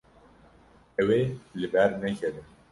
Ew ê li ber nekeve.